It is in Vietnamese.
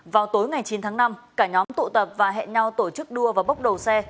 vào tối ngày chín tháng năm cả nhóm tụ tập và hẹn nhau tổ chức đua và bốc đầu xe